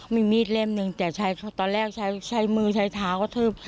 เขามีมีดเล่มนึงแต่ตอนแรกใช้มือใช้ถาวก็ถืบ